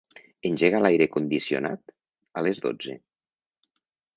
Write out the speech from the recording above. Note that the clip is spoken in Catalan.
Engega l'aire condicionat a les dotze.